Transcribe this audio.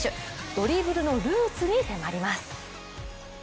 ドリブルのルーツに迫ります。